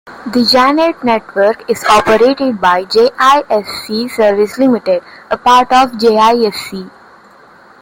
The Janet network is operated by Jisc Services Limited, part of Jisc.